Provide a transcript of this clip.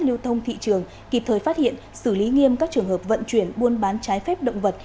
lưu thông thị trường kịp thời phát hiện xử lý nghiêm các trường hợp vận chuyển buôn bán trái phép động vật